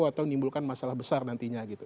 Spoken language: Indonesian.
atau menimbulkan masalah besar nantinya gitu